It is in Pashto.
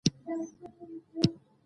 افغانستان يو وروسته پاتې هېواد دې